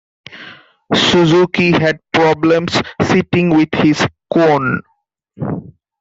Suzuki had problems sitting with his koan.